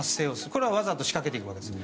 これはわざと仕掛けていくわけです。